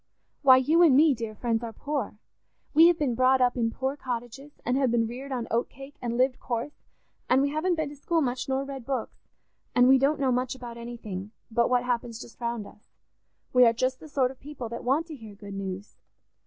Why, you and me, dear friends, are poor. We have been brought up in poor cottages and have been reared on oat cake, and lived coarse; and we haven't been to school much, nor read books, and we don't know much about anything but what happens just round us. We are just the sort of people that want to hear good news.